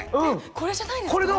これじゃないですか？